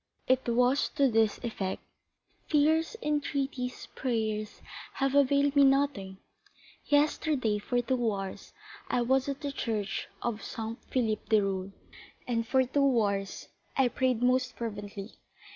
It was to this effect: "Tears, entreaties, prayers, have availed me nothing. Yesterday, for two hours, I was at the church of Saint Philippe du Roule, and for two hours I prayed most fervently.